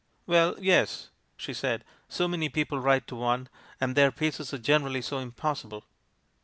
" 'Well, yes,' she said. 'So many people write to one, and their pieces are generally so impos sible.